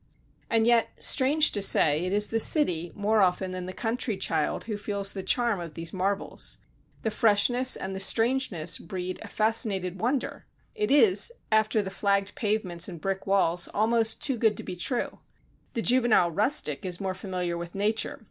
And yet, strange to say, it is the city more often than the country child who feels the charm of these marvels. The freshness and the strangeness breed a fascinated wonder; it is, after flagged pavements and brick walls, almost too good to be true. The juvenile rustic is more familiar with Nature.